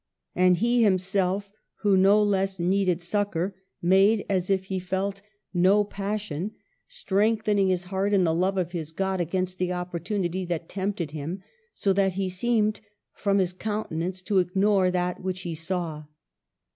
And he him self, who no less needed succor, made as if he felt no THE '' HEPTAMERONy 235 passion, strengthening his heart in the love of his God against the opportunity that tempted him, so that he seemed, from his countenance, to ignore that which he saw.